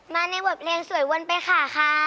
มาในบทเพลงสวยวนไปค่ะค่ะ